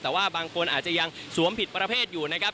แต่ว่าบางคนอาจจะยังสวมผิดประเภทอยู่นะครับ